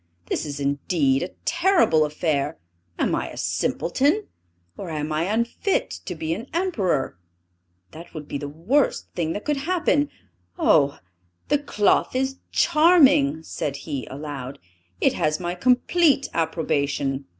This is indeed a terrible affair! Am I a simpleton, or am I unfit to be an Emperor? That would be the worst thing that could happen Oh! the cloth is charming," said he, aloud. "It has my complete approbation."